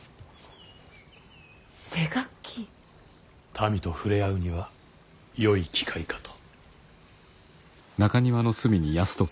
民と触れ合うにはよい機会かと。